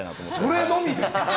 それのみで？